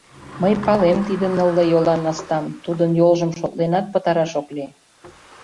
— Мый палем тиде нылле йолан настам, тудын йолжым шотленат пытараш ок лий.